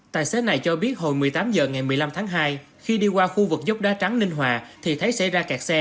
tài xế này cho biết hồi một mươi tám h ngày một mươi năm tháng hai khi đi qua khu vực dốc đá trắng ninh hòa thì thấy xe ra cạt xe